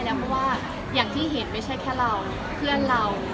เพราะว่าอย่างที่เห็นไม่ใช่แค่เรา